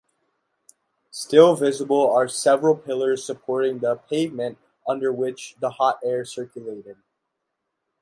Still visible are several pillars supporting the pavement under which the hot air circulated.